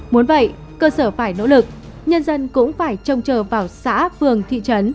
muốn vậy cơ sở phải nỗ lực nhân dân cũng phải trông chờ vào xã phường thị trấn